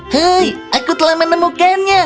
hei aku telah menemukannya